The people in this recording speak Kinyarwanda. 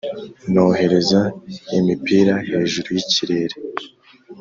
nohereze imipira hejuru yikirere.